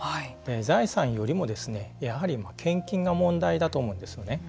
財産よりもやはり献金が問題だと思うんですよね。